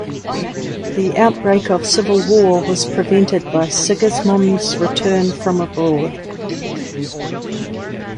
The outbreak of civil war was prevented by Sigismund's return from abroad.